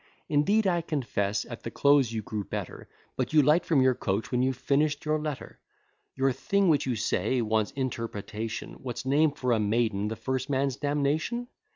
Indeed, I confess, at the close you grew better, But you light from your coach when you finish'd your letter. Your thing which you say wants interpretation, What's name for a maiden the first man's damnation?